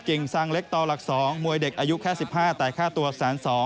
ซางเล็กต่อหลัก๒มวยเด็กอายุแค่๑๕แต่ค่าตัว๑๒๐๐